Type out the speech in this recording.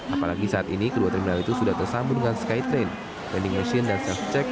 apalagi saat ini kedua terminal itu sudah tersambung dengan skytrain vending machine dan self check